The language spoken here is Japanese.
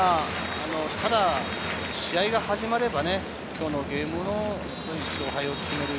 ただ試合が始まれば、今日のゲームの勝敗を決める